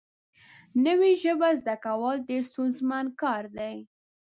نوې ژبه زده کول ډېر ستونزمن کار دی